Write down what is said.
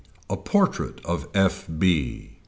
A PORTRAIT OF F. B.